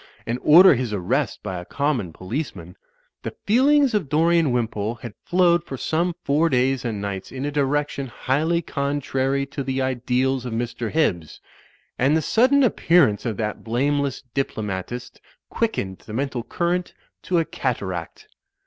and order his arrest by a com mon policeman, the feelings of Dorian Wimpole had flowed for some four days and nights in a direction highly contrary to the ideals of Mr. Hibbs, and the sudden appearance of that blameless diplomatist quickened the mental current to a cataract.